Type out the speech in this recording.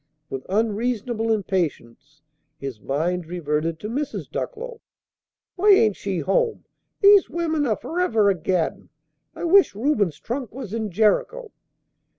With unreasonable impatience, his mind reverted to Mrs. Ducklow. "Why ain't she to home? These women are forever a gaddin'! I wish Reuben's trunk was in Jericho!"